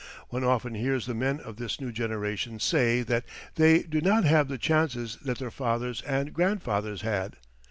One often hears the men of this new generation say that they do not have the chances that their fathers and grandfathers had.